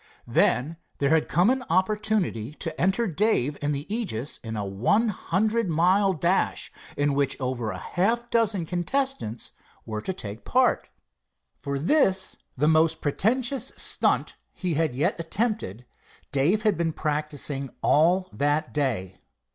Then there had come an opportunity to enter Dave and the Aegis in a one hundred mile dash in which over half a dozen contestants were to take part. For this, the most pretentious "stunt" he had yet attempted, Dave had been practicing all that day.